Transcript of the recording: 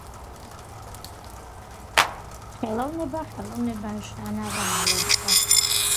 ხელოვნება ხელოვნება შანავა მელოდება